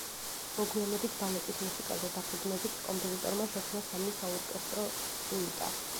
მოგვიანებით, ბალეტის მუსიკაზე დაფუძნებით, კომპოზიტორმა შექმნა სამი საორკესტრო სუიტა.